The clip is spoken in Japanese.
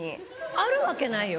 あるわけないよ。